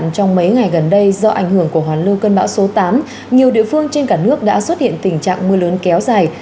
trong mấy ngày gần đây do ảnh hưởng của hoàn lưu cơn bão số tám nhiều địa phương trên cả nước đã xuất hiện tình trạng mưa lớn kéo dài